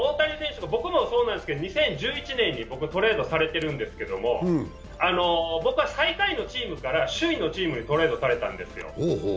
でも僕も２０１１年にトレードされてるんですけど、僕は最下位のチームから首位のチームにトレードされたんですよ。